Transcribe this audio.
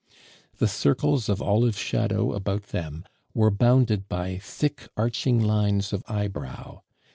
The circles of olive shadow about them were bounded by thick arching lines of eyebrow.